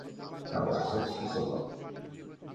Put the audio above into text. তো, এখন কী করব?